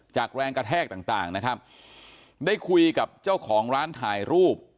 แรงกระแทกต่างต่างนะครับได้คุยกับเจ้าของร้านถ่ายรูป